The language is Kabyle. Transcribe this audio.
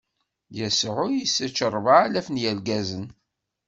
Yasuɛ issečč ṛebɛalaf n yirgazen.